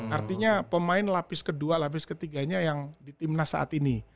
artinya pemain lapis kedua lapis ketiganya yang di timnas saat ini